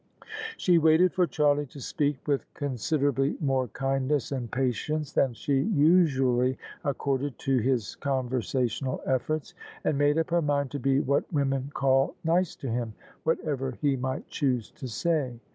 She waited for Charlie to speak, with considerably more kindness and patience than she usually accorded to his con versational efforts : and made up her mind to be what women call " nice to him," whatever he might choose to say.